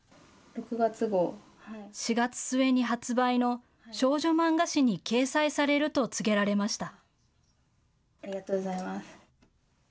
４月末に発売の少女漫画誌に掲載されると告げられました。